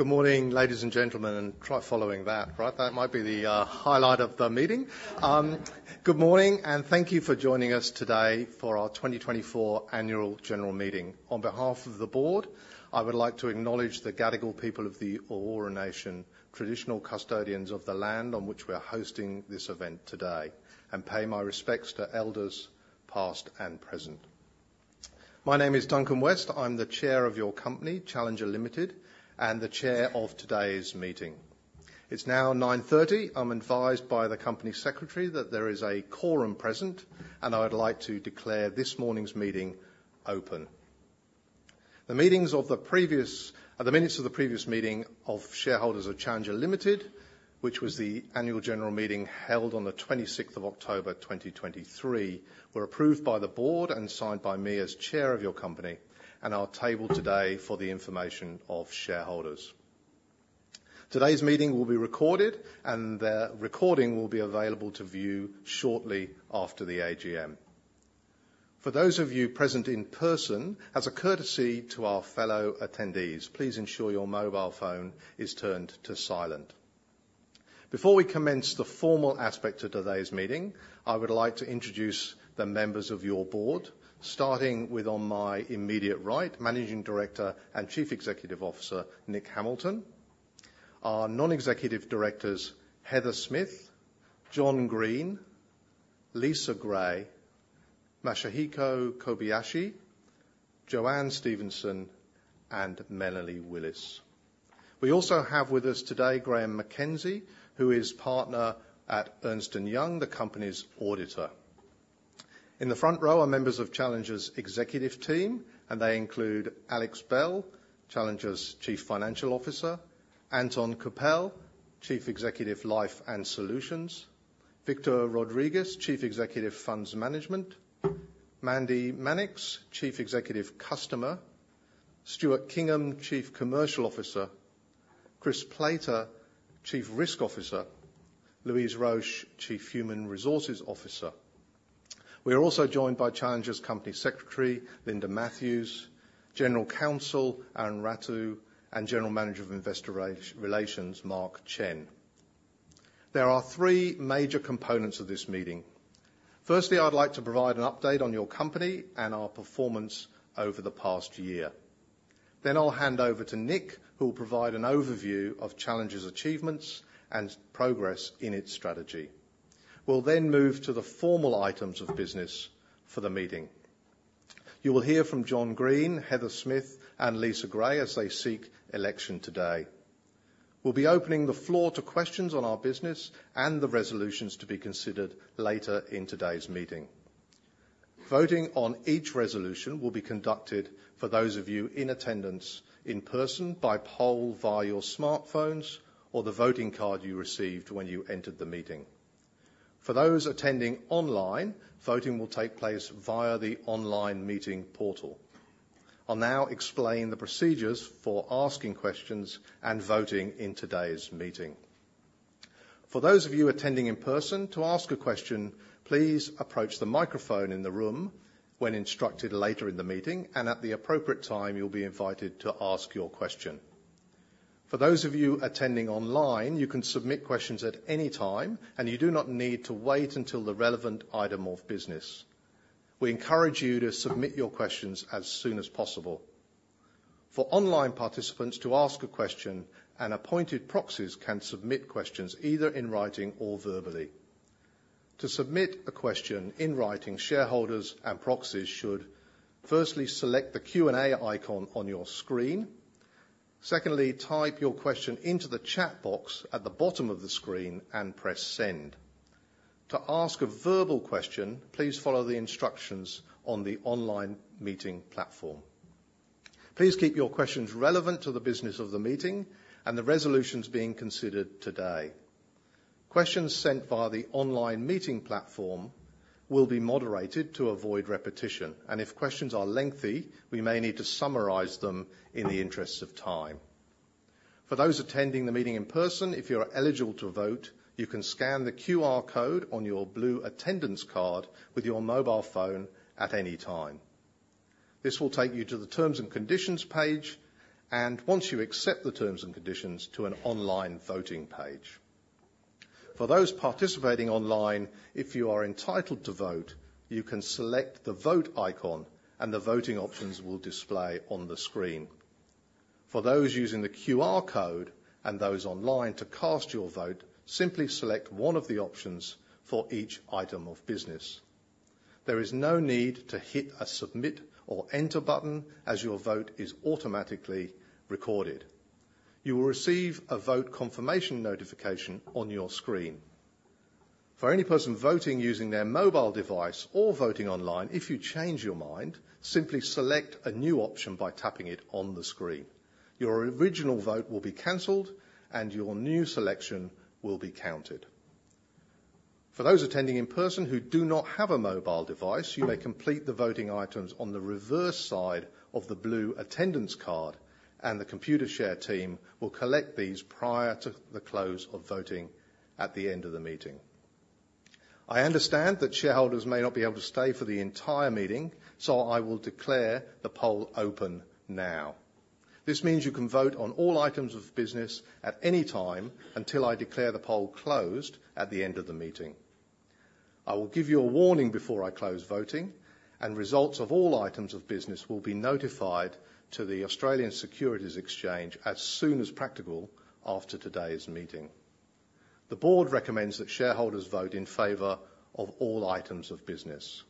Good morning, ladies and gentlemen. Try following that, right? That might be the highlight of the meeting. Good morning, and thank you for joining us today for our 2024 Annual General Meeting. On behalf of the board, I would like to acknowledge the Gadigal people of the Eora Nation, traditional custodians of the land on which we are hosting this event today, and pay my respects to elders, past and present. My name is Duncan West. I'm the Chair of your company, Challenger Limited, and the Chair of today's meeting. It's now 9:30 A.M. I'm advised by the Company Secretary that there is a quorum present, and I would like to declare this morning's meeting open. The minutes of the previous meeting of shareholders of Challenger Limited, which was the annual general meeting held on the 26th of October, 2023, were approved by the board and signed by me as chair of your company, and are tabled today for the information of shareholders. Today's meeting will be recorded, and the recording will be available to view shortly after the AGM. For those of you present in person, as a courtesy to our fellow attendees, please ensure your mobile phone is turned to silent. Before we commence the formal aspect of today's meeting, I would like to introduce the members of your board, starting with, on my immediate right, Managing Director and Chief Executive Officer, Nick Hamilton, our Non-Executive Directors, Heather Smith, John Green, Lisa Gray, Masahiko Kobayashi, Joanne Stephenson, and Melanie Willis. We also have with us today Graeme McKenzie, who is partner at Ernst & Young, the company's auditor. In the front row are members of Challenger's executive team, and they include Alex Bell, Challenger's Chief Financial Officer; Anton Kapel, Chief Executive, Life and Solutions; Victor Rodriguez, Chief Executive, Funds Management; Mandy Mannix, Chief Executive, Customer; Stuart Kingham, Chief Commercial Officer; Chris Plater, Chief Risk Officer; Louise Roche, Chief Human Resources Officer. We are also joined by Challenger's Company Secretary, Linda Matthews; General Counsel, Aaron Rattu; and General Manager of Investor Relations, Mark Chen. There are three major components of this meeting. Firstly, I'd like to provide an update on your company and our performance over the past year. Then I'll hand over to Nick, who will provide an overview of Challenger's achievements and progress in its strategy. We'll then move to the formal items of business for the meeting. You will hear from John Green, Heather Smith and Lisa Gray as they seek election today. We'll be opening the floor to questions on our business and the resolutions to be considered later in today's meeting. Voting on each resolution will be conducted, for those of you in attendance in person, by poll via your smartphones or the voting card you received when you entered the meeting. For those attending online, voting will take place via the online meeting portal. I'll now explain the procedures for asking questions and voting in today's meeting. For those of you attending in person, to ask a question, please approach the microphone in the room when instructed later in the meeting, and at the appropriate time, you'll be invited to ask your question. For those of you attending online, you can submit questions at any time, and you do not need to wait until the relevant item of business. We encourage you to submit your questions as soon as possible. For online participants, to ask a question, and appointed proxies can submit questions either in writing or verbally. To submit a question in writing, shareholders and proxies should firstly select the Q&A icon on your screen. Secondly, type your question into the chat box at the bottom of the screen and press Send. To ask a verbal question, please follow the instructions on the online meeting platform. Please keep your questions relevant to the business of the meeting and the resolutions being considered today. Questions sent via the online meeting platform will be moderated to avoid repetition, and if questions are lengthy, we may need to summarize them in the interests of time. For those attending the meeting in person, if you are eligible to vote, you can scan the QR code on your blue attendance card with your mobile phone at any time. This will take you to the Terms and Conditions page, and once you accept the terms and conditions, to an online voting page. For those participating online, if you are entitled to vote, you can select the Vote icon, and the voting options will display on the screen. For those using the QR code and those online, to cast your vote, simply select one of the options for each item of business. There is no need to hit a Submit or Enter button, as your vote is automatically recorded. You will receive a vote confirmation notification on your screen. For any person voting using their mobile device or voting online, if you change your mind, simply select a new option by tapping it on the screen. Your original vote will be canceled, and your new selection will be counted. For those attending in person who do not have a mobile device, you may complete the voting items on the reverse side of the blue attendance card, and the Computershare team will collect these prior to the close of voting at the end of the meeting... I understand that shareholders may not be able to stay for the entire meeting, so I will declare the poll open now. This means you can vote on all items of business at any time until I declare the poll closed at the end of the meeting. I will give you a warning before I close voting, and results of all items of business will be notified to the Australian Securities Exchange as soon as practical after today's meeting. The board recommends that shareholders vote in favor of all items of business.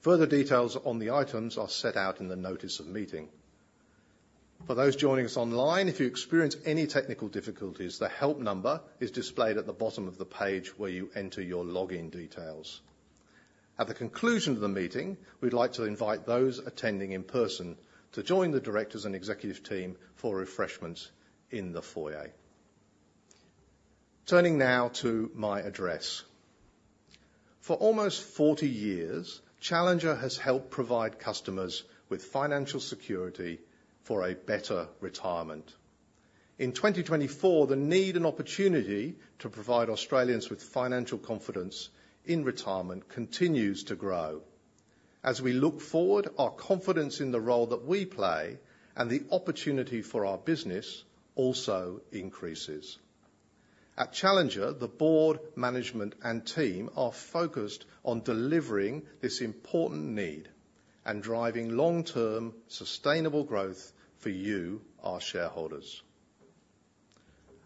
Further details on the items are set out in the notice of meeting. For those joining us online, if you experience any technical difficulties, the help number is displayed at the bottom of the page where you enter your login details. At the conclusion of the meeting, we'd like to invite those attending in person to join the directors and executive team for refreshments in the foyer. Turning now to my address. For almost forty years, Challenger has helped provide customers with financial security for a better retirement. In 2024, the need and opportunity to provide Australians with financial confidence in retirement continues to grow. As we look forward, our confidence in the role that we play and the opportunity for our business also increases. At Challenger, the board, management, and team are focused on delivering this important need and driving long-term, sustainable growth for you, our shareholders.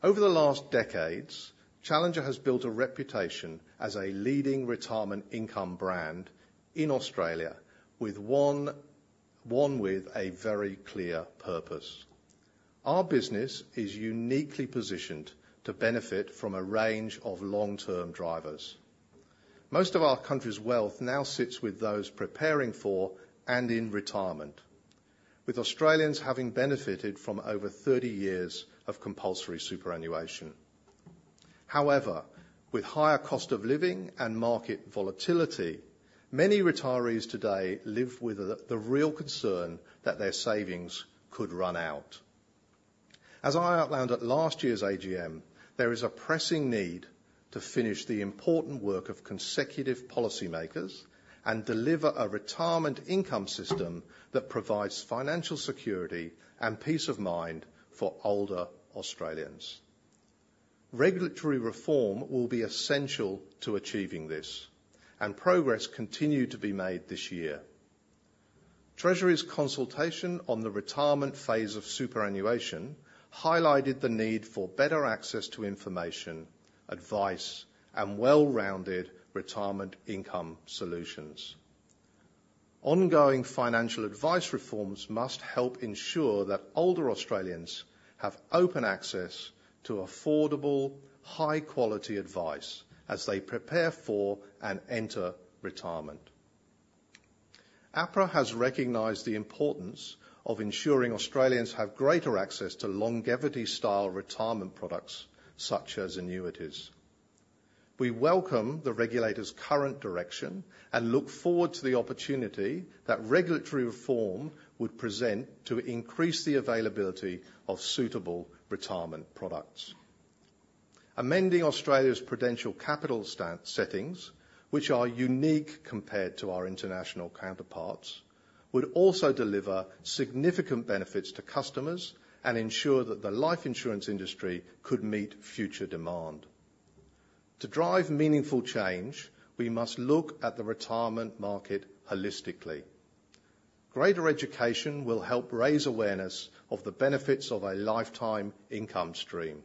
Over the last decades, Challenger has built a reputation as a leading retirement income brand in Australia with one with a very clear purpose. Our business is uniquely positioned to benefit from a range of long-term drivers. Most of our country's wealth now sits with those preparing for and in retirement, with Australians having benefited from over thirty years of compulsory superannuation. However, with higher cost of living and market volatility, many retirees today live with the real concern that their savings could run out. As I outlined at last year's AGM, there is a pressing need to finish the important work of consecutive policymakers and deliver a retirement income system that provides financial security and peace of mind for older Australians. Regulatory reform will be essential to achieving this, and progress continued to be made this year. Treasury's consultation on the retirement phase of superannuation highlighted the need for better access to information, advice, and well-rounded retirement income solutions. Ongoing financial advice reforms must help ensure that older Australians have open access to affordable, high-quality advice as they prepare for and enter retirement. APRA has recognized the importance of ensuring Australians have greater access to longevity-style retirement products, such as annuities. We welcome the regulator's current direction and look forward to the opportunity that regulatory reform would present to increase the availability of suitable retirement products. Amending Australia's prudential capital standard settings, which are unique compared to our international counterparts, would also deliver significant benefits to customers and ensure that the life insurance industry could meet future demand. To drive meaningful change, we must look at the retirement market holistically. Greater education will help raise awareness of the benefits of a lifetime income stream.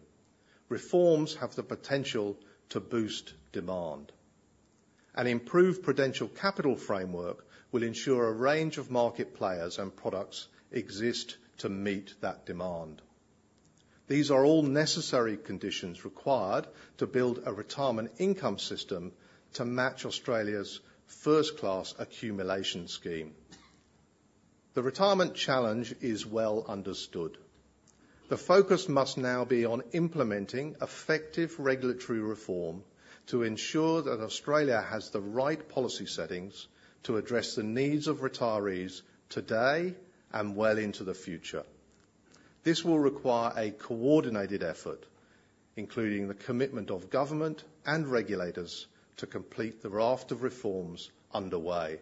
Reforms have the potential to boost demand. An improved prudential capital framework will ensure a range of market players and products exist to meet that demand. These are all necessary conditions required to build a retirement income system to match Australia's first-class accumulation scheme. The retirement challenge is well understood. The focus must now be on implementing effective regulatory reform to ensure that Australia has the right policy settings to address the needs of retirees today and well into the future. This will require a coordinated effort, including the commitment of government and regulators, to complete the raft of reforms underway.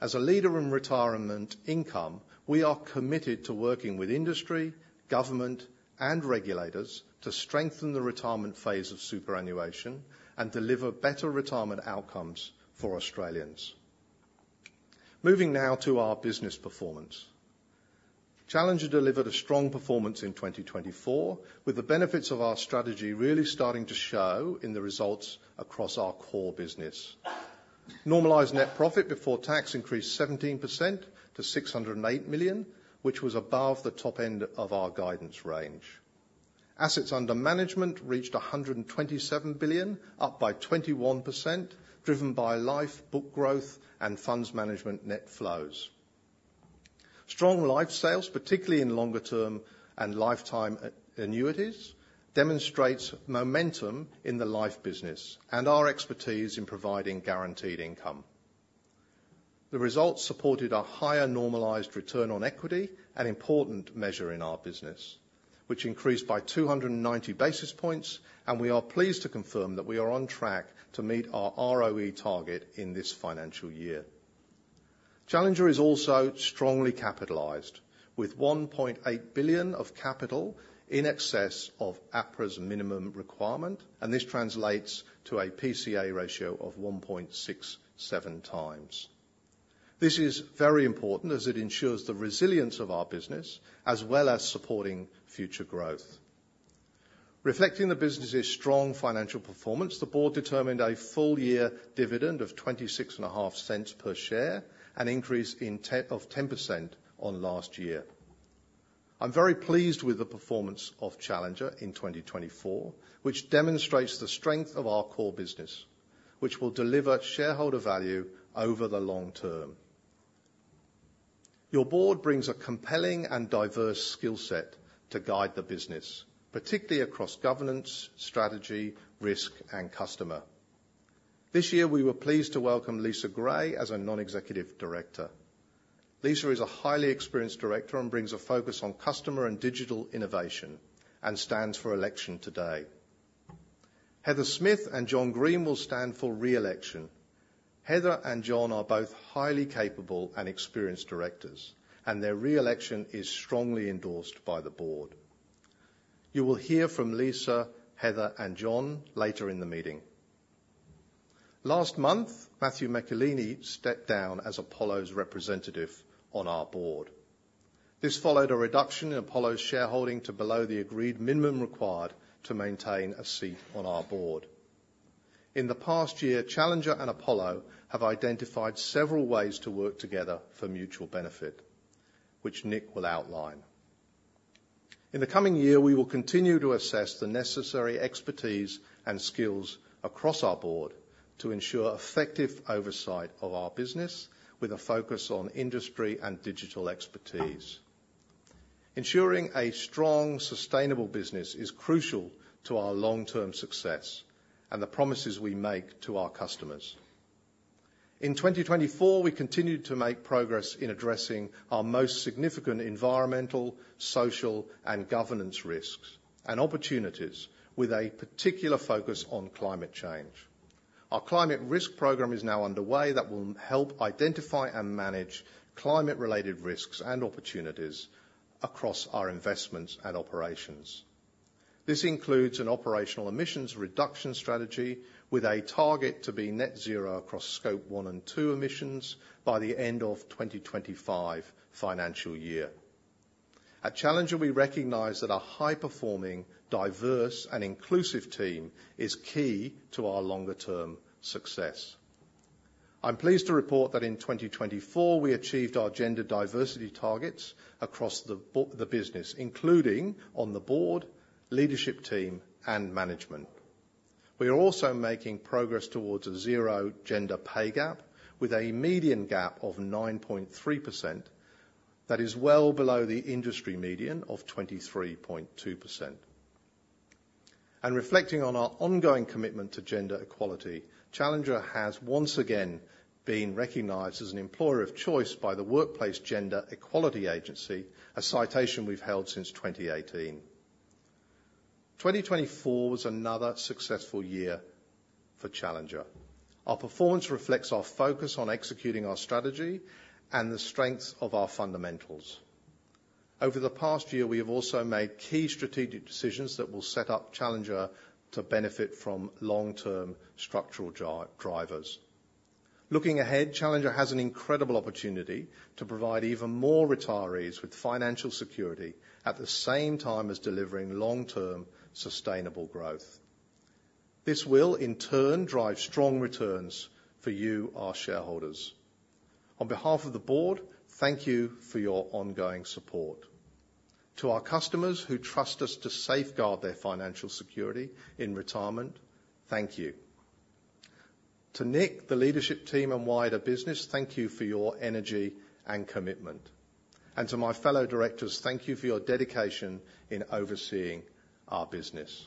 As a leader in retirement income, we are committed to working with industry, government, and regulators to strengthen the retirement phase of superannuation and deliver better retirement outcomes for Australians. Moving now to our business performance. Challenger delivered a strong performance in 2024, with the benefits of our strategy really starting to show in the results across our core business. Normalized net profit before tax increased 17% to 608 million, which was above the top end of our guidance range. Assets under management reached 127 billion, up by 21%, driven by life book growth, and funds management net flows. Strong life sales, particularly in longer term and lifetime annuities, demonstrates momentum in the life business and our expertise in providing guaranteed income. The results supported a higher normalized return on equity, an important measure in our business, which increased by 290 basis points, and we are pleased to confirm that we are on track to meet our ROE target in this financial year. Challenger is also strongly capitalized, with 1.8 billion of capital in excess of APRA's minimum requirement, and this translates to a PCA ratio of 1.67 times. This is very important, as it ensures the resilience of our business, as well as supporting future growth. Reflecting the business' strong financial performance, the board determined a full year dividend of 0.265 per share, an increase of 10% on last year. I'm very pleased with the performance of Challenger in 2024, which demonstrates the strength of our core business, which will deliver shareholder value over the long term. Your board brings a compelling and diverse skill set to guide the business, particularly across governance, strategy, risk, and customer. This year, we were pleased to welcome Lisa Gray as a non-executive director. Lisa is a highly experienced director and brings a focus on customer and digital innovation, and stands for election today. Heather Smith and John Green will stand for re-election. Heather and John are both highly capable and experienced directors, and their re-election is strongly endorsed by the board. You will hear from Lisa, Heather, and John later in the meeting. Last month, Matthew Michelini stepped down as Apollo's representative on our board. This followed a reduction in Apollo's shareholding to below the agreed minimum required to maintain a seat on our board. In the past year, Challenger and Apollo have identified several ways to work together for mutual benefit, which Nick will outline. In the coming year, we will continue to assess the necessary expertise and skills across our board to ensure effective oversight of our business, with a focus on industry and digital expertise. Ensuring a strong, sustainable business is crucial to our long-term success and the promises we make to our customers. In 2024, we continued to make progress in addressing our most significant environmental, social, and governance risks and opportunities with a particular focus on climate change. Our climate risk program is now underway that will help identify and manage climate-related risks and opportunities across our investments and operations. This includes an operational emissions reduction strategy with a target to be net zero across Scope 1 and 2 emissions by the end of 2025 financial year. At Challenger, we recognize that a high-performing, diverse, and inclusive team is key to our longer-term success. I'm pleased to report that in 2024, we achieved our gender diversity targets across the business, including on the board, leadership team, and management. We are also making progress towards a zero gender pay gap with a median gap of 9.3%. That is well below the industry median of 23.2%. Reflecting on our ongoing commitment to gender equality, Challenger has once again been recognized as an employer of choice by the Workplace Gender Equality Agency, a citation we've held since 2018. 2024 was another successful year for Challenger. Our performance reflects our focus on executing our strategy and the strengths of our fundamentals. Over the past year, we have also made key strategic decisions that will set up Challenger to benefit from long-term structural drivers. Looking ahead, Challenger has an incredible opportunity to provide even more retirees with financial security at the same time as delivering long-term sustainable growth. This will, in turn, drive strong returns for you, our shareholders. On behalf of the board, thank you for your ongoing support. To our customers who trust us to safeguard their financial security in retirement, thank you. To Nick, the leadership team, and wider business, thank you for your energy and commitment. And to my fellow directors, thank you for your dedication in overseeing our business.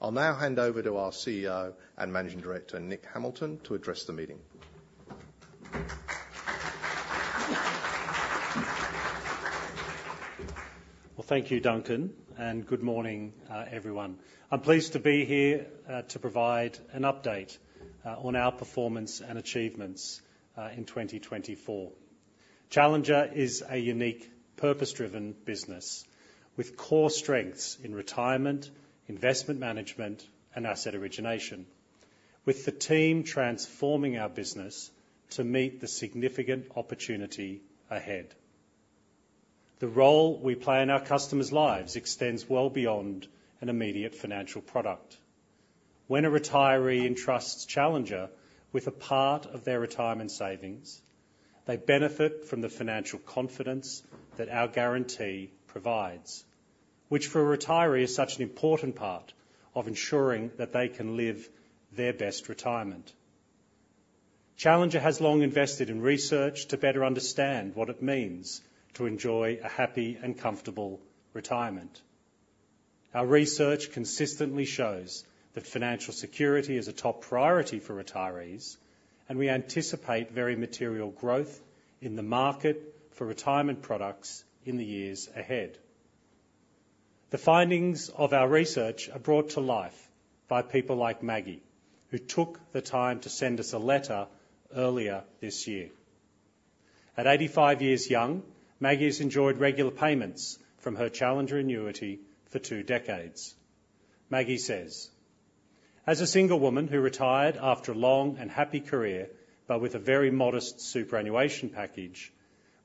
I'll now hand over to our CEO and Managing Director, Nick Hamilton, to address the meeting. Thank you, Duncan, and good morning, everyone. I'm pleased to be here to provide an update on our performance and achievements in 2024. Challenger is a unique, purpose-driven business with core strengths in retirement, investment management, and asset origination, with the team transforming our business to meet the significant opportunity ahead. The role we play in our customers' lives extends well beyond an immediate financial product. When a retiree entrusts Challenger with a part of their retirement savings, they benefit from the financial confidence that our guarantee provides, which for a retiree, is such an important part of ensuring that they can live their best retirement. Challenger has long invested in research to better understand what it means to enjoy a happy and comfortable retirement.... Our research consistently shows that financial security is a top priority for retirees, and we anticipate very material growth in the market for retirement products in the years ahead. The findings of our research are brought to life by people like Maggie, who took the time to send us a letter earlier this year. At eighty-five years young, Maggie's enjoyed regular payments from her Challenger annuity for two decades. Maggie says, "As a single woman who retired after a long and happy career, but with a very modest superannuation package,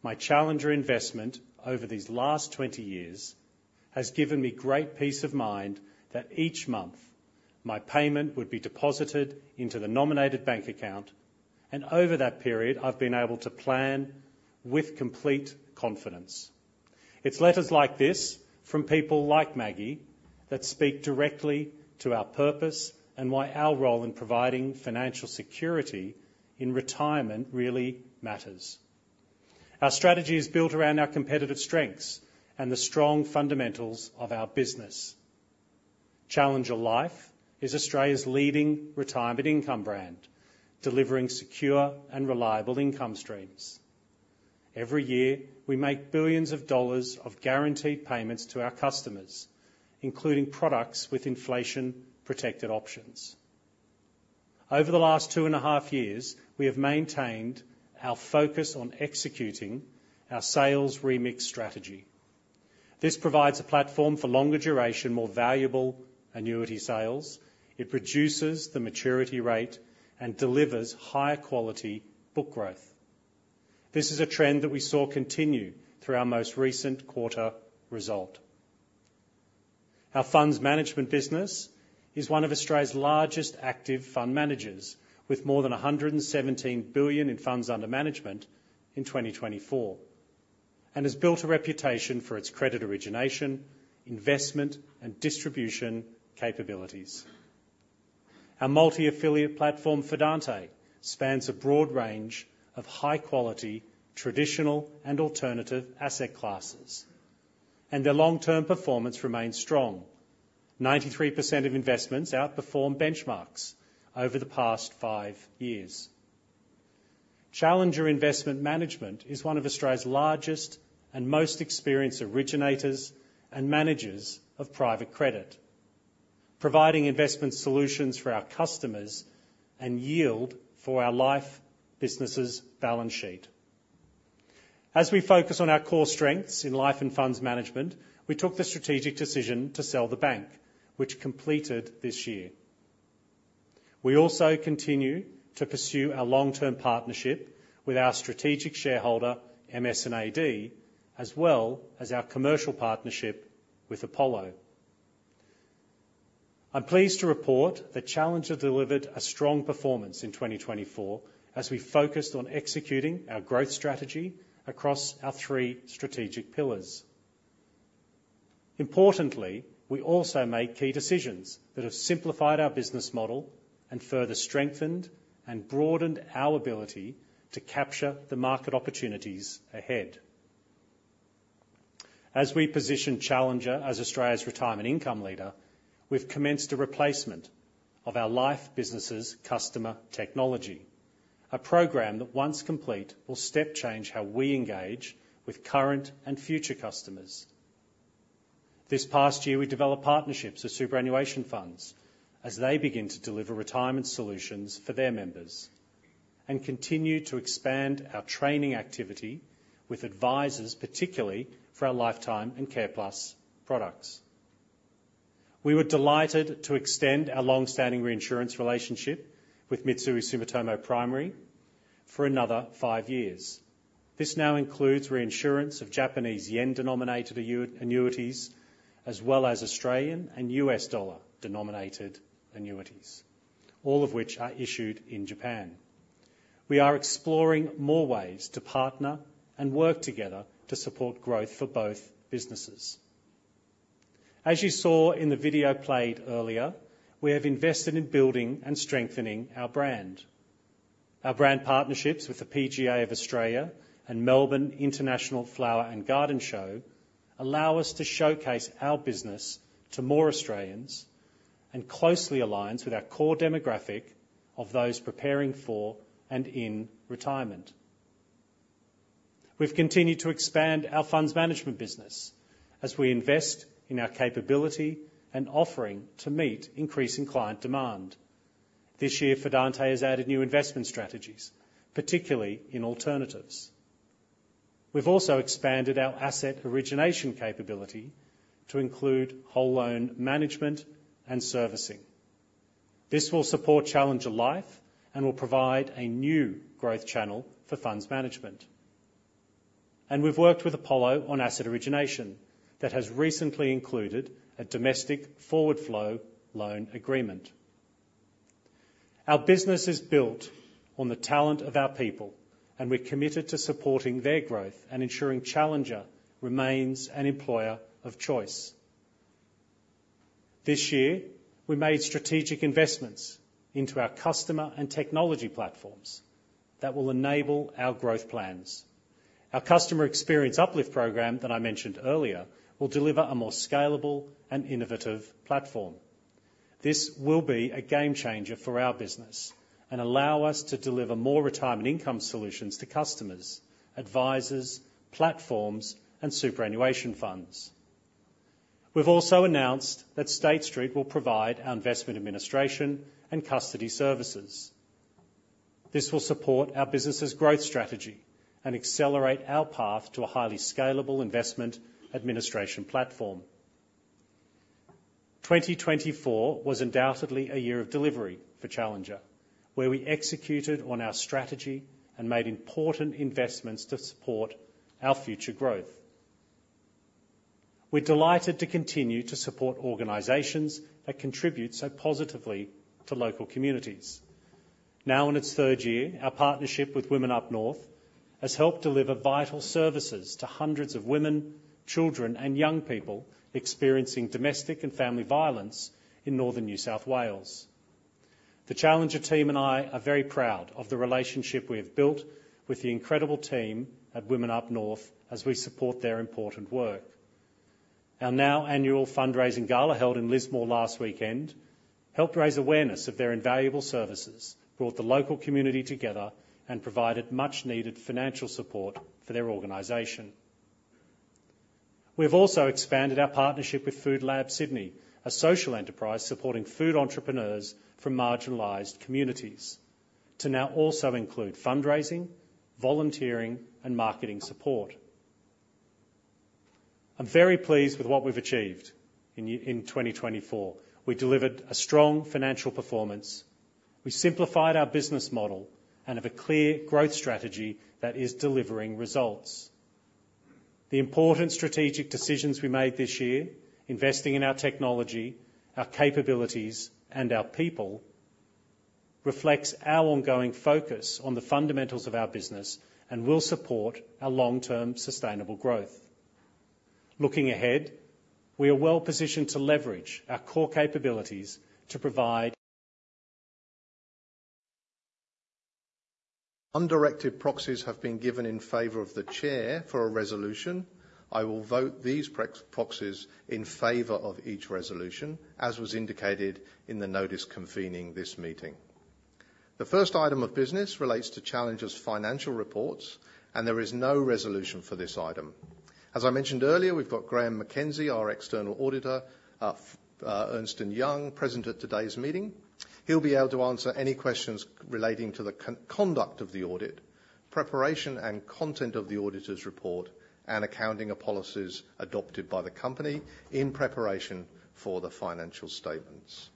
my Challenger investment over these last twenty years has given me great peace of mind that each month, my payment would be deposited into the nominated bank account, and over that period, I've been able to plan with complete confidence." It's letters like this from people like Maggie that speak directly to our purpose and why our role in providing financial security in retirement really matters. Our strategy is built around our competitive strengths and the strong fundamentals of our business. Challenger Life is Australia's leading retirement income brand, delivering secure and reliable income streams. Every year, we make billions of dollars of guaranteed payments to our customers, including products with inflation-protected options. Over the last two and a half years, we have maintained our focus on executing our sales remix strategy. This provides a platform for longer duration, more valuable annuity sales. It reduces the maturity rate and delivers higher quality book growth. This is a trend that we saw continue through our most recent quarter result. Our funds management business is one of Australia's largest active fund managers, with more than 117 billion in funds under management in 2024, and has built a reputation for its credit origination, investment, and distribution capabilities. Our multi-affiliate platform, Fidante, spans a broad range of high-quality, traditional, and alternative asset classes, and their long-term performance remains strong. 93% of investments outperformed benchmarks over the past five years. Challenger Investment Management is one of Australia's largest and most experienced originators and managers of private credit, providing investment solutions for our customers and yield for our life business' balance sheet. As we focus on our core strengths in life and funds management, we took the strategic decision to sell the bank, which completed this year. We also continue to pursue our long-term partnership with our strategic shareholder, MS&AD, as well as our commercial partnership with Apollo. I'm pleased to report that Challenger delivered a strong performance in 2024 as we focused on executing our growth strategy across our three strategic pillars. Importantly, we also made key decisions that have simplified our business model and further strengthened and broadened our ability to capture the market opportunities ahead. As we position Challenger as Australia's retirement income leader, we've commenced a replacement of our life business' customer technology, a program that, once complete, will step change how we engage with current and future customers. This past year, we developed partnerships with superannuation funds as they begin to deliver retirement solutions for their members and continue to expand our training activity with advisors, particularly for our Lifetime and Care Plus products. We were delighted to extend our long-standing reinsurance relationship with Mitsui Sumitomo Primary for another five years. This now includes reinsurance of Japanese yen-denominated annuities, as well as Australian and U.S. dollar-denominated annuities, all of which are issued in Japan. We are exploring more ways to partner and work together to support growth for both businesses. As you saw in the video played earlier, we have invested in building and strengthening our brand. Our brand partnerships with the PGA of Australia and Melbourne International Flower and Garden Show allow us to showcase our business to more Australians and closely aligns with our core demographic of those preparing for and in retirement. We've continued to expand our funds management business as we invest in our capability and offering to meet increasing client demand. This year, Fidante has added new investment strategies, particularly in alternatives. We've also expanded our asset origination capability to include whole loan management and servicing. This will support Challenger Life and will provide a new growth channel for funds management, and we've worked with Apollo on asset origination that has recently included a domestic forward flow loan agreement. Our business is built on the talent of our people, and we're committed to supporting their growth and ensuring Challenger remains an employer of choice. This year, we made strategic investments into our customer and technology platforms that will enable our growth plans.... Our customer experience uplift program that I mentioned earlier, will deliver a more scalable and innovative platform. This will be a game changer for our business and allow us to deliver more retirement income solutions to customers, advisors, platforms, and superannuation funds. We've also announced that State Street will provide our investment administration and custody services. This will support our business's growth strategy and accelerate our path to a highly scalable investment administration platform. 2024 was undoubtedly a year of delivery for Challenger, where we executed on our strategy and made important investments to support our future growth. We're delighted to continue to support organizations that contribute so positively to local communities. Now, in its third year, our partnership with Women Up North has helped deliver vital services to hundreds of women, children, and young people experiencing domestic and family violence in northern New South Wales. The Challenger team and I are very proud of the relationship we have built with the incredible team at Women Up North as we support their important work. Our now annual fundraising gala, held in Lismore last weekend, helped raise awareness of their invaluable services, brought the local community together, and provided much-needed financial support for their organization. We've also expanded our partnership with FoodLab Sydney, a social enterprise supporting food entrepreneurs from marginalized communities, to now also include fundraising, volunteering, and marketing support. I'm very pleased with what we've achieved in 2024. We delivered a strong financial performance, we simplified our business model, and have a clear growth strategy that is delivering results. The important strategic decisions we made this year, investing in our technology, our capabilities, and our people, reflects our ongoing focus on the fundamentals of our business and will support our long-term sustainable growth. Looking ahead, we are well-positioned to leverage our core capabilities to provide. Undirected proxies have been given in favor of the chair for a resolution. I will vote these proxies in favor of each resolution, as was indicated in the notice convening this meeting. The first item of business relates to Challenger's financial reports, and there is no resolution for this item. As I mentioned earlier, we've got Graeme McKenzie, our external auditor, Ernst & Young, present at today's meeting. He'll be able to answer any questions relating to the conduct of the audit, preparation and content of the auditor's report, and accounting of policies adopted by the company in preparation for the financial statements.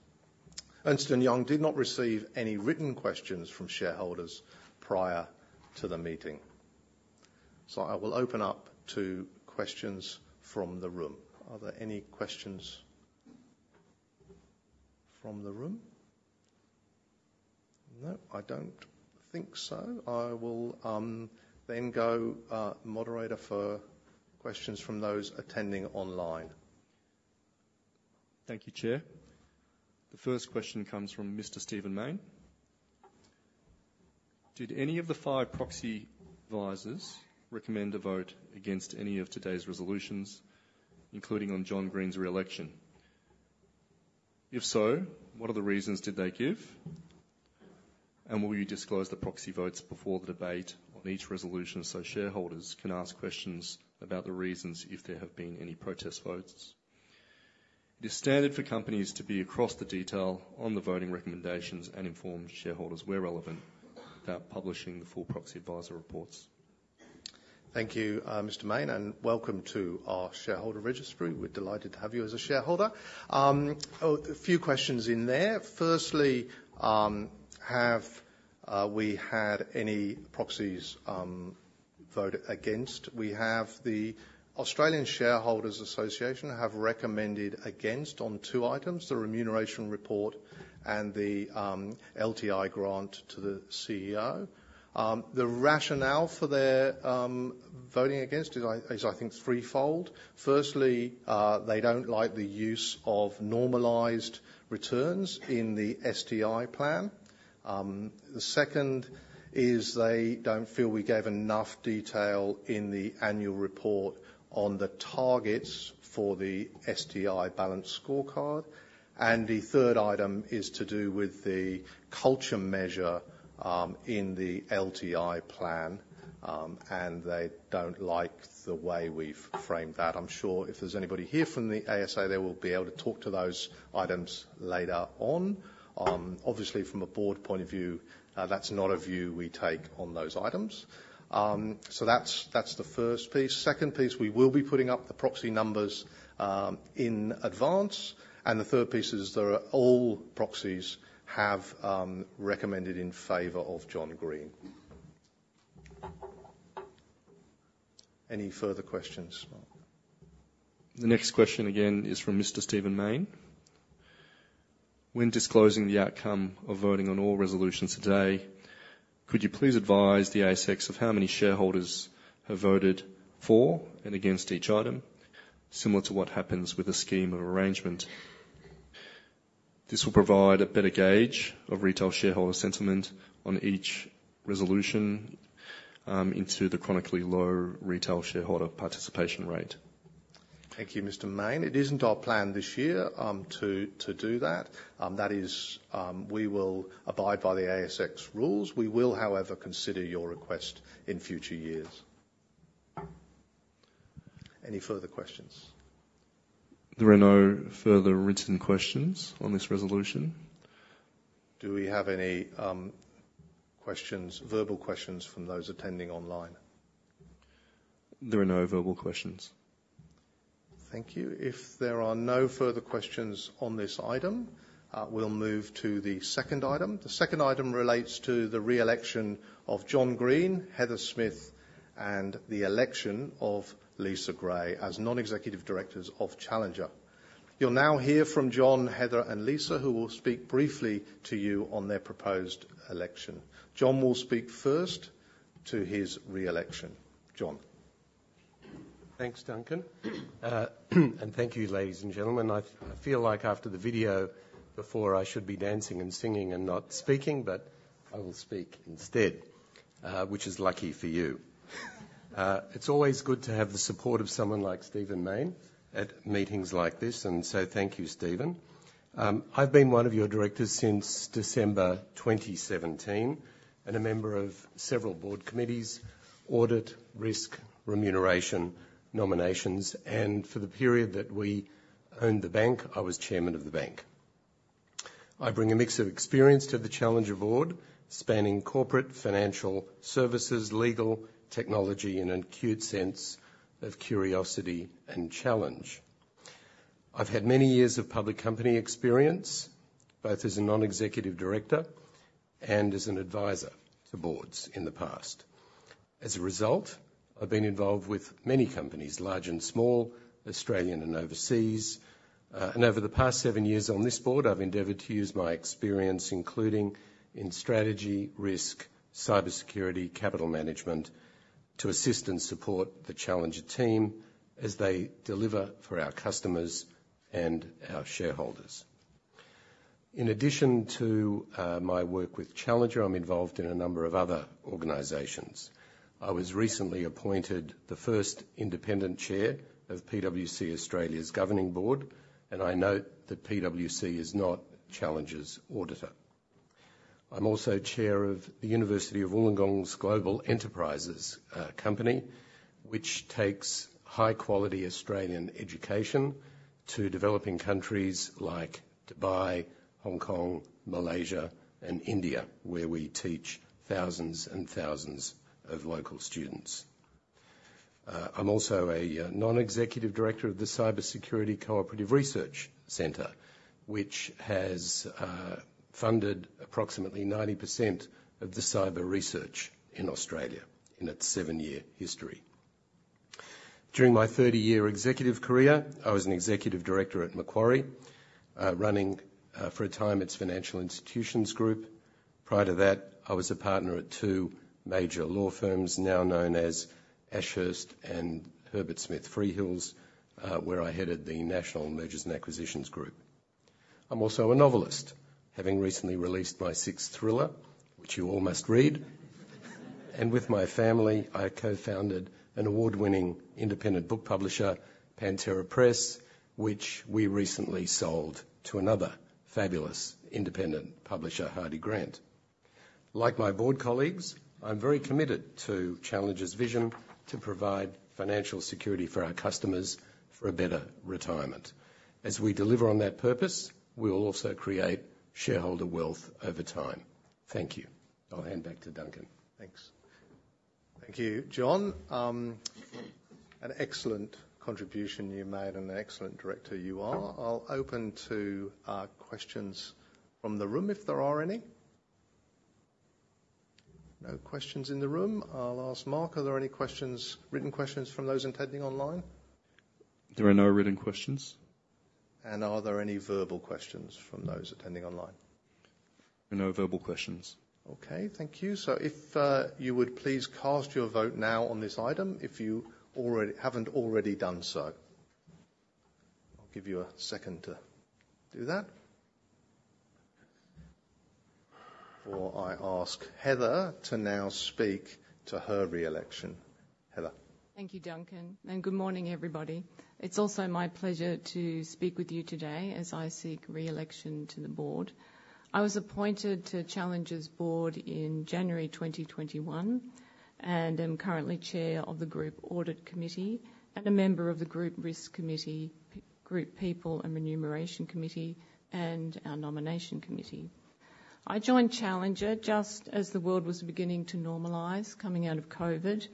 Ernst & Young did not receive any written questions from shareholders prior to the meeting, so I will open up to questions from the room. Are there any questions from the room? No, I don't think so. I will then go moderator for questions from those attending online. Thank you, Chair. The first question comes from Mr. Stephen Mayne. Did any of the five proxy advisors recommend a vote against any of today's resolutions, including on John Green's re-election? If so, what other reasons did they give? And will you disclose the proxy votes before the debate on each resolution, so shareholders can ask questions about the reasons, if there have been any protest votes? It is standard for companies to be across the detail on the voting recommendations and inform shareholders where relevant, without publishing the full proxy advisor reports. Thank you, Mr. Mayne, and welcome to our shareholder registry. We're delighted to have you as a shareholder. Oh, a few questions in there. Firstly, have we had any proxies vote against? We have the Australian Shareholders' Association have recommended against on two items, the remuneration report and the LTI grant to the CEO. The rationale for their voting against is, I think, threefold. Firstly, they don't like the use of normalized returns in the STI plan. The second is they don't feel we gave enough detail in the annual report on the targets for the STI balance scorecard. And the third item is to do with the culture measure in the LTI plan, and they don't like the way we've framed that. I'm sure if there's anybody here from the ASA, they will be able to talk to those items later on. Obviously, from a board point of view, that's not a view we take on those items. So that's, that's the first piece. Second piece, we will be putting up the proxy numbers, in advance, and the third piece is there are all proxies have, recommended in favor of John Green. Any further questions? The next question, again, is from Mr. Stephen Mayne. When disclosing the outcome of voting on all resolutions today, could you please advise the ASX of how many shareholders have voted for and against each item, similar to what happens with a scheme of arrangement? This will provide a better gauge of retail shareholder sentiment on each resolution into the chronically low retail shareholder participation rate. Thank you, Mr. Mayne. It isn't our plan this year to do that. That is, we will abide by the ASX rules. We will, however, consider your request in future years. Any further questions? There are no further written questions on this resolution. Do we have any questions, verbal questions from those attending online? There are no verbal questions. Thank you. If there are no further questions on this item, we'll move to the second item. The second item relates to the re-election of John Green, Heather Smith, and the election of Lisa Gray as non-executive directors of Challenger. You'll now hear from John, Heather, and Lisa, who will speak briefly to you on their proposed election. John will speak first to his re-election. John? Thanks, Duncan, and thank you, ladies and gentlemen. I feel like after the video before, I should be dancing and singing and not speaking, but I will speak instead, which is lucky for you. It's always good to have the support of someone like Stephen Mayne at meetings like this, and so thank you, Stephen. I've been one of your directors since December 2017, and a member of several board committees: audit, risk, remuneration, nominations, and for the period that we owned the bank, I was chairman of the bank. I bring a mix of experience to the Challenger board, spanning corporate, financial services, legal, technology, and an acute sense of curiosity and challenge. I've had many years of public company experience, both as a non-executive director and as an advisor to boards in the past. As a result, I've been involved with many companies, large and small, Australian and overseas. And over the past seven years on this board, I've endeavored to use my experience, including in strategy, risk, cybersecurity, capital management, to assist and support the Challenger team as they deliver for our customers and our shareholders. In addition to my work with Challenger, I'm involved in a number of other organizations. I was recently appointed the first independent chair of PwC Australia's governing board, and I note that PwC is not Challenger's auditor. I'm also chair of the University of Wollongong's Global Enterprises Company, which takes high-quality Australian education to developing countries like Dubai, Hong Kong, Malaysia, and India, where we teach thousands and thousands of local students. I'm also a non-executive director of the Cyber Security Cooperative Research Centre, which has funded approximately 90% of the cyber research in Australia in its seven-year history. During my 30-year executive career, I was an executive director at Macquarie, running for a time, its financial institutions group. Prior to that, I was a partner at two major law firms, now known as Ashurst and Herbert Smith Freehills, where I headed the National Mergers and Acquisitions group. I'm also a novelist, having recently released my sixth thriller, which you all must read, and with my family, I co-founded an award-winning independent book publisher, Pantera Press, which we recently sold to another fabulous independent publisher, Hardie Grant. Like my board colleagues, I'm very committed to Challenger's vision to provide financial security for our customers for a better retirement. As we deliver on that purpose, we will also create shareholder wealth over time. Thank you. I'll hand back to Duncan. Thanks. Thank you, John. An excellent contribution you made and an excellent director you are. I'll open to questions from the room, if there are any. No questions in the room. I'll ask Mark, are there any questions, written questions from those attending online? There are no written questions. Are there any verbal questions from those attending online? No verbal questions. Okay, thank you. So if you would please cast your vote now on this item, if you haven't already done so. I'll give you a second to do that... Before I ask Heather to now speak to her re-election. Heather? Thank you, Duncan, and good morning, everybody. It's also my pleasure to speak with you today as I seek re-election to the board. I was appointed to Challenger's board in January twenty twenty-one, and am currently chair of the Group Audit Committee and a member of the Group Risk Committee, Group People and Remuneration Committee, and our Nomination Committee. I joined Challenger just as the world was beginning to normalize coming out of COVID.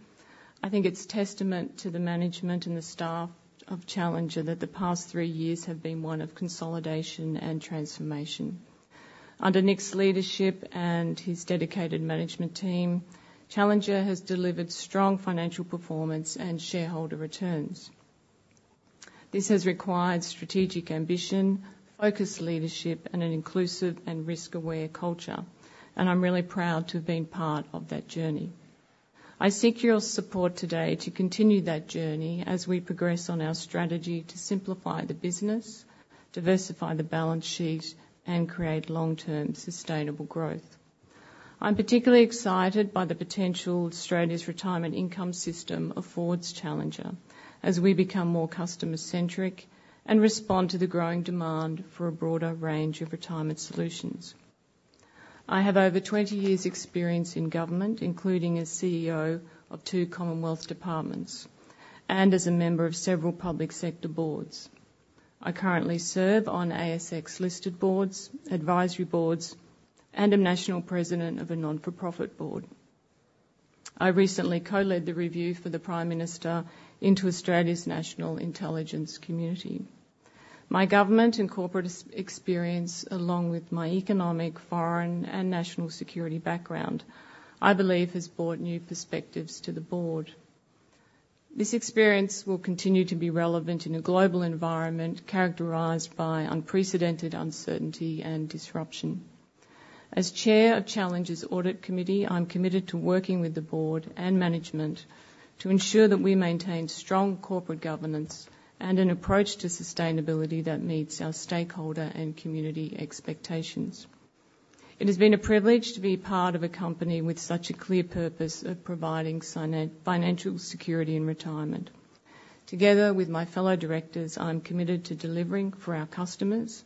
I think it's testament to the management and the staff of Challenger that the past three years have been one of consolidation and transformation. Under Nick's leadership and his dedicated management team, Challenger has delivered strong financial performance and shareholder returns. This has required strategic ambition, focused leadership, and an inclusive and risk-aware culture, and I'm really proud to have been part of that journey. I seek your support today to continue that journey as we progress on our strategy to simplify the business, diversify the balance sheet, and create long-term sustainable growth. I'm particularly excited by the potential Australia's retirement income system affords Challenger, as we become more customer-centric and respond to the growing demand for a broader range of retirement solutions. I have over 20 years' experience in government, including as CEO of two Commonwealth departments and as a member of several public sector boards. I currently serve on ASX-listed boards, advisory boards, and a national president of a not-for-profit board. I recently co-led the review for the Prime Minister into Australia's National Intelligence community. My government and corporate experience, along with my economic, foreign, and national security background, I believe, has brought new perspectives to the board. This experience will continue to be relevant in a global environment characterized by unprecedented uncertainty and disruption. As Chair of Challenger's Audit Committee, I'm committed to working with the board and management to ensure that we maintain strong corporate governance and an approach to sustainability that meets our stakeholder and community expectations. It has been a privilege to be part of a company with such a clear purpose of providing financial security in retirement. Together with my fellow directors, I'm committed to delivering for our customers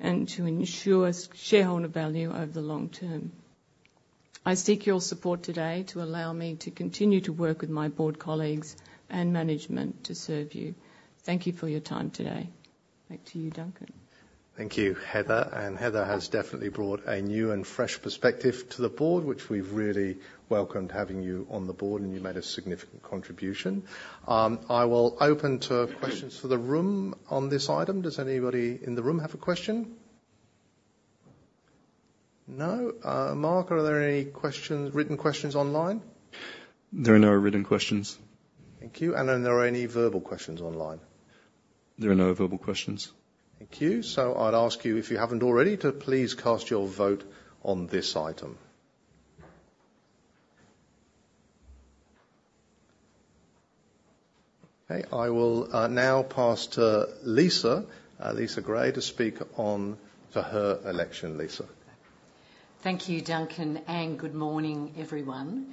and to ensure shareholder value over the long term. I seek your support today to allow me to continue to work with my board colleagues and management to serve you. Thank you for your time today. Back to you, Duncan. Thank you, Heather, and Heather has definitely brought a new and fresh perspective to the board, which we've really welcomed having you on the board, and you made a significant contribution. I will open to questions for the room on this item. Does anybody in the room have a question? No. Mark, are there any questions, written questions online? There are no written questions. Thank you. And are there any verbal questions online? There are no verbal questions. Thank you. So I'd ask you, if you haven't already, to please cast your vote on this item. Okay, I will now pass to Lisa, Lisa Gray, to speak on to her election. Lisa? Thank you, Duncan, and good morning, everyone.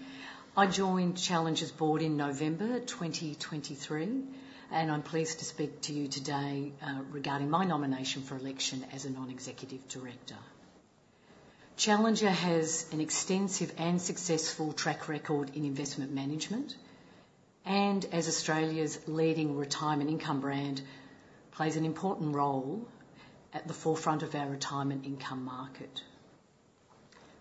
I joined Challenger's board in November 2023, and I'm pleased to speak to you today, regarding my nomination for election as a non-executive director. Challenger has an extensive and successful track record in investment management, and as Australia's leading retirement income brand, plays an important role at the forefront of our retirement income market.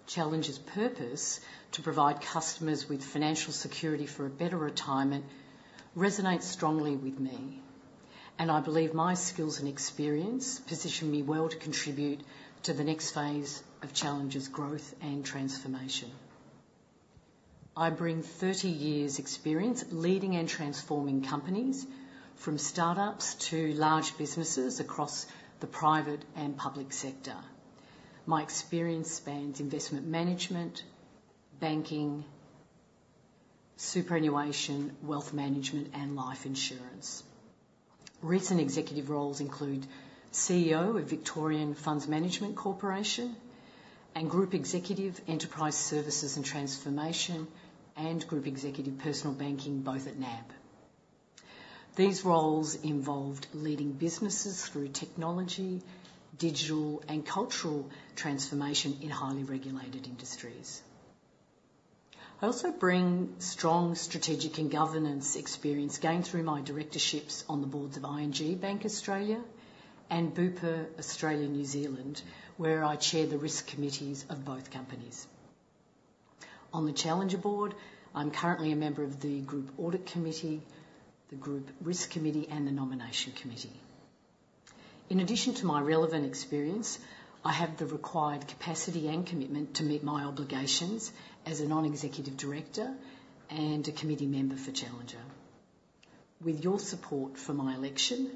Challenger's purpose, to provide customers with financial security for a better retirement, resonates strongly with me, and I believe my skills and experience position me well to contribute to the next phase of Challenger's growth and transformation. I bring thirty years' experience leading and transforming companies from startups to large businesses across the private and public sector. My experience spans investment management, banking, superannuation, wealth management, and life insurance. Recent executive roles include CEO of Victorian Funds Management Corporation and Group Executive, Enterprise Services and Transformation, and Group Executive, Personal Banking, both at NAB. These roles involved leading businesses through technology, digital, and cultural transformation in highly regulated industries. I also bring strong strategic and governance experience, going through my directorships on the boards of ING Bank Australia and Bupa Australia and New Zealand, where I chair the risk committees of both companies. On the Challenger board, I'm currently a member of the Group Audit Committee, the Group Risk Committee, and the Nomination Committee. In addition to my relevant experience, I have the required capacity and commitment to meet my obligations as a non-executive director and a committee member for Challenger. With your support for my election,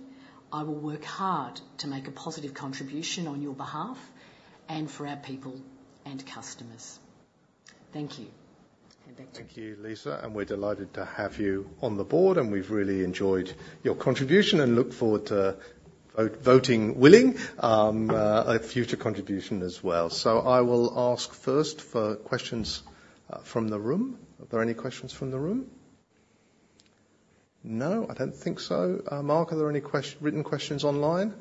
I will work hard to make a positive contribution on your behalf and for our people and customers. Thank you. And back to you. Thank you, Lisa, and we're delighted to have you on the board, and we've really enjoyed your contribution and look forward to voting a future contribution as well. So I will ask first for questions from the room. Are there any questions from the room? No, I don't think so. Mark, are there any written questions online?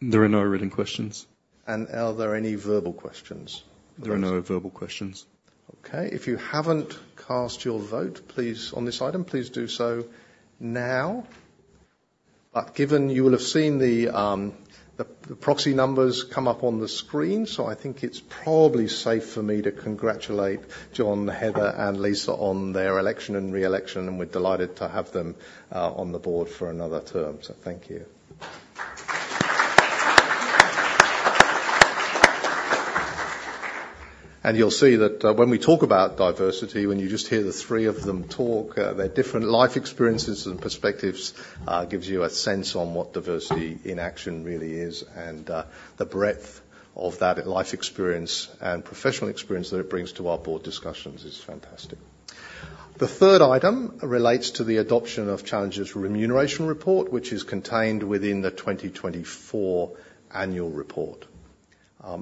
There are no written questions. Are there any verbal questions? There are no verbal questions. Okay. If you haven't cast your vote, please, on this item, please do so now. But given you will have seen the proxy numbers come up on the screen, so I think it's probably safe for me to congratulate John, Heather, and Lisa on their election and re-election, and we're delighted to have them on the board for another term. So thank you. And you'll see that when we talk about diversity, when you just hear the three of them talk their different life experiences and perspectives gives you a sense on what diversity in action really is, and the breadth of that life experience and professional experience that it brings to our board discussions is fantastic. The third item relates to the adoption of Challenger's remuneration report, which is contained within the 2024 annual report.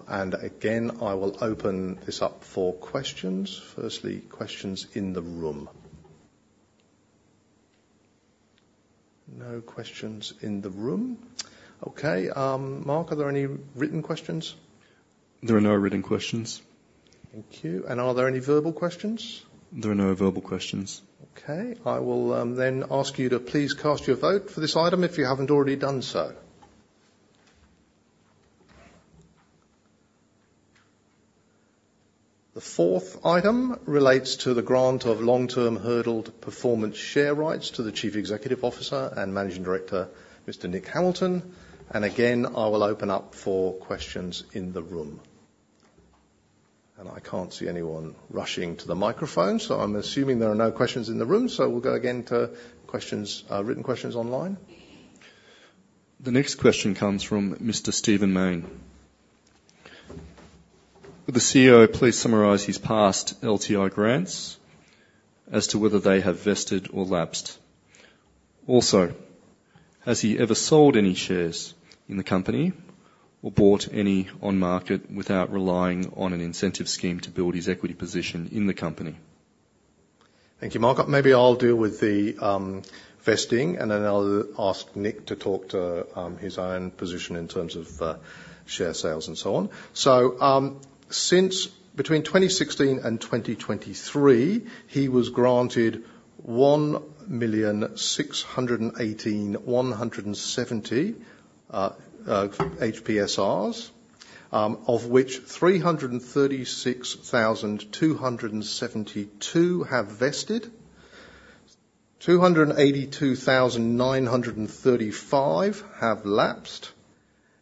And again, I will open this up for questions. Firstly, questions in the room. No questions in the room. Okay. Mark, are there any written questions? There are no written questions. Thank you. And are there any verbal questions? There are no verbal questions. Okay. I will then ask you to please cast your vote for this item if you haven't already done so. The fourth item relates to the grant of long-term hurdled performance share rights to the Chief Executive Officer and Managing Director, Mr. Nick Hamilton. And again, I will open up for questions in the room. And I can't see anyone rushing to the microphone, so I'm assuming there are no questions in the room. So we'll go again to questions, written questions online. The next question comes from Mr. Stephen Mayne. Would the CEO please summarize his past LTI grants as to whether they have vested or lapsed? Also, has he ever sold any shares in the company or bought any on market without relying on an incentive scheme to build his equity position in the company? Thank you, Mark. Maybe I'll deal with the vesting, and then I'll ask Nick to talk to his own position in terms of share sales and so on. So, since between 2016 and 2023, he was granted 1,618,170 HPSRs, of which 336,272 have vested, 282,935 have lapsed,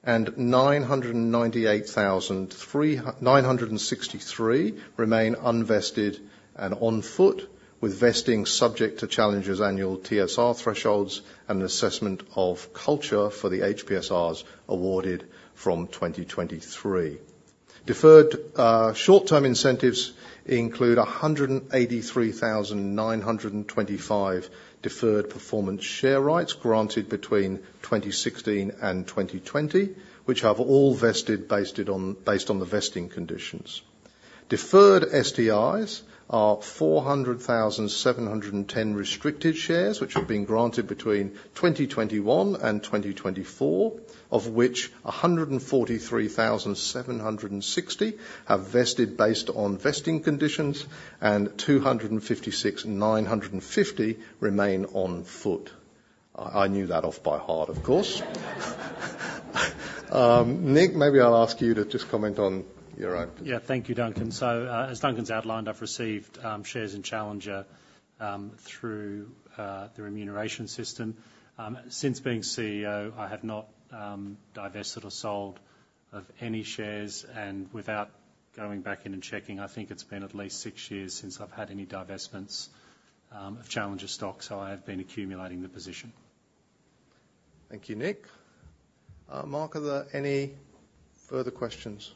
and 998,963 remain unvested and on foot, with vesting subject to Challenger's annual TSR thresholds and an assessment of culture for the HPSRs awarded from 2023. Deferred short-term incentives include a 183,925 deferred performance share rights granted between 2016 and 2020, which have all vested based on the vesting conditions. Deferred STIs are 400,710 restricted shares, which have been granted between 2021 and 2024, of which 143,760 have vested based on vesting conditions, and 256,950 remain on foot. I knew that off by heart, of course. Nick, maybe I'll ask you to just comment on your own. Yeah. Thank you, Duncan. So, as Duncan's outlined, I've received shares in Challenger through the remuneration system. Since being CEO, I have not divested or sold of any shares. And without going back in and checking, I think it's been at least six years since I've had any divestments of Challenger stock, so I have been accumulating the position. Thank you, Nick. Mark, are there any further questions?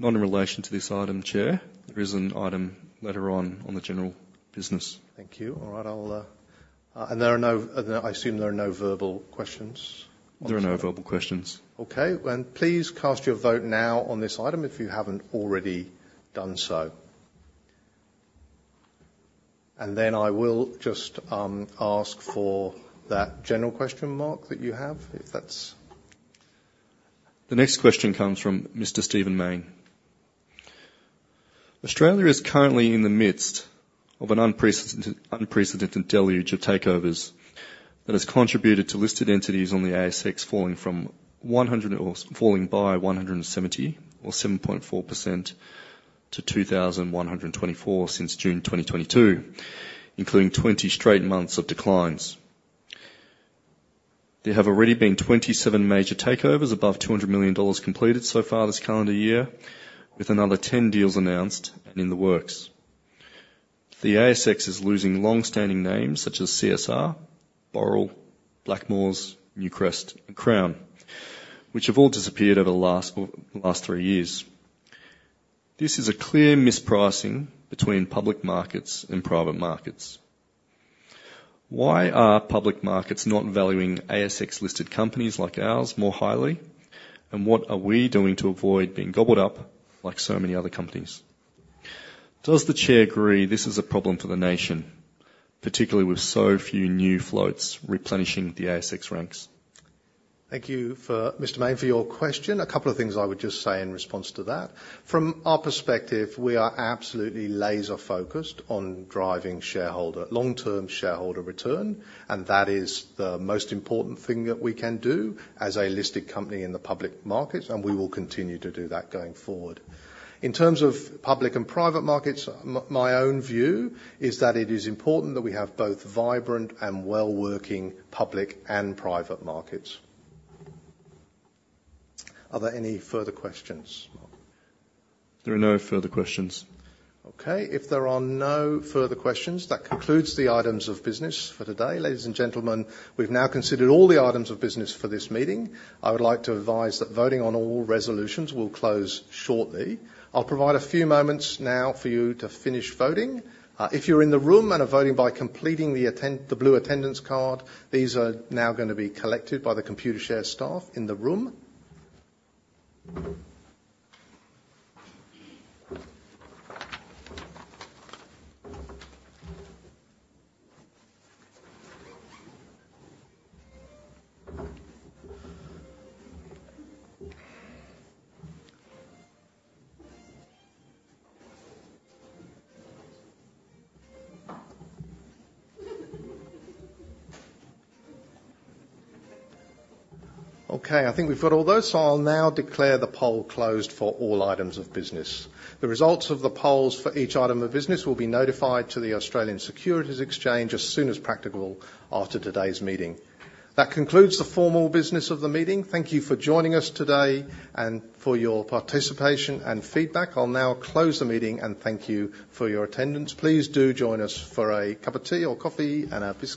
Not in relation to this item, Chair. There is an item later on, on the general business. Thank you. All right, I assume there are no verbal questions? There are no verbal questions. Okay, then please cast your vote now on this item if you haven't already done so. And then I will just ask for that general question, Mark, that you have, if that's... The next question comes from Mr. Stephen Mayne. Australia is currently in the midst of an unprecedented deluge of takeovers that has contributed to listed entities on the ASX falling from or by 170, or 7.4%, to 2,124 since June 2022, including 20 straight months of declines. There have already been 27 major takeovers above 200 million dollars completed so far this calendar year, with another 10 deals announced and in the works. The ASX is losing long-standing names such as CSR, Boral, Blackmores, Newcrest, and Crown, which have all disappeared over the last three years. This is a clear mispricing between public markets and private markets. Why are public markets not valuing ASX-listed companies like ours more highly? What are we doing to avoid being gobbled up like so many other companies? Does the Chair agree this is a problem for the nation, particularly with so few new floats replenishing the ASX ranks? Thank you, Mr. Mayne, for your question. A couple of things I would just say in response to that. From our perspective, we are absolutely laser-focused on driving shareholder, long-term shareholder return, and that is the most important thing that we can do as a listed company in the public markets, and we will continue to do that going forward. In terms of public and private markets, my own view is that it is important that we have both vibrant and well-working public and private markets. Are there any further questions, Mark? There are no further questions. Okay. If there are no further questions, that concludes the items of business for today. Ladies and gentlemen, we've now considered all the items of business for this meeting. I would like to advise that voting on all resolutions will close shortly. I'll provide a few moments now for you to finish voting. If you're in the room and are voting by completing the blue attendance card, these are now gonna be collected by the Computershare staff in the room. Okay, I think we've got all those, so I'll now declare the poll closed for all items of business. The results of the polls for each item of business will be notified to the Australian Securities Exchange as soon as practicable after today's meeting. That concludes the formal business of the meeting. Thank you for joining us today and for your participation and feedback. I'll now close the meeting, and thank you for your attendance. Please do join us for a cup of tea or coffee and our-